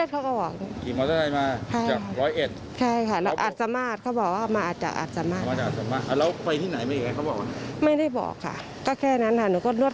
เขาก็มาพูดไทยได้เขาบอกว่าเขามาจากร้อยเอ็ดอาจสามารถ